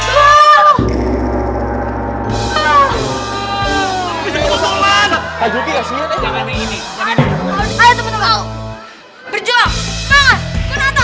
oh nggak ada apa apanya